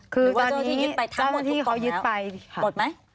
คือตอนนี้ต้องที่เขายึดไปหมดไหม